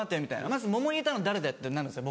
まず桃にいたの誰だよ？ってなるんですよ